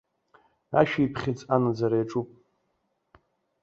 Ашәиԥхьыӡ анаӡара иаҿуп.